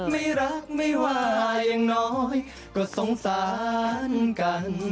ไม่รักไม่ว่าอย่างน้อยก็สงสารกัน